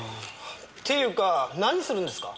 っていうか何するんですか？